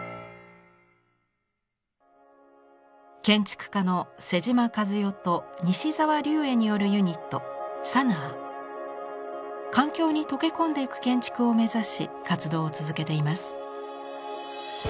建築家の妹島和世と西沢立衛によるユニット環境に溶け込んでいく建築を目指し活動を続けています。